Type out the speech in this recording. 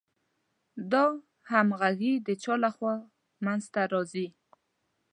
دا همغږي د چا له خوا منځ ته راځي؟